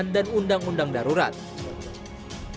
lantaran diperlukan untuk menjaga keamanan